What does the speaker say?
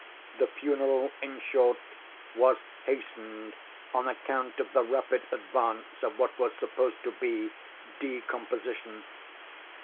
The funeral, in short, was hastened, on account of the rapid advance of what was supposed to be decomposition.